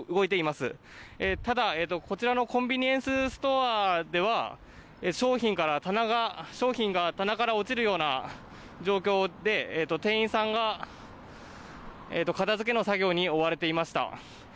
ただこちらのコンビニエンスストアでは商品が棚から落ちるような状況で店員さんが片づけの作業に追われていました。